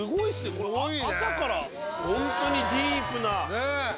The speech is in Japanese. これ朝からホントにディープなすごいねねえ